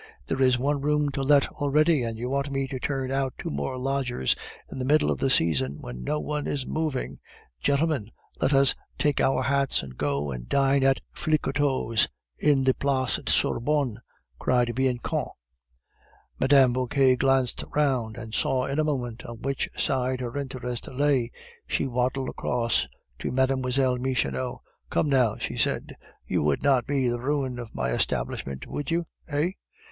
There is one room to let already, and you want me to turn out two more lodgers in the middle of the season, when no one is moving " "Gentlemen, let us take our hats and go and dine at Flicoteaux's in the Place Sorbonne," cried Bianchon. Mme. Vauquer glanced round, and saw in a moment on which side her interest lay. She waddled across to Mlle. Michonneau. "Come, now," she said; "you would not be the ruin of my establishment, would you, eh?